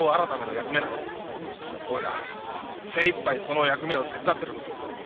おいら精一杯その役目を手伝ってるんです。